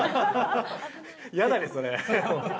嫌だね、それ。